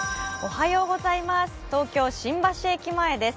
東京・新橋駅前です。